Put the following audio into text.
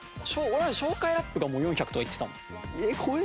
俺らの紹介ラップがもう４００とかいってたもん。